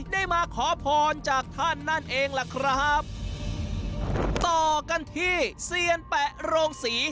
ได้มาขอพรจากท่านนั่นเองล่ะครับต่อกันที่เซียนแปะโรงศรี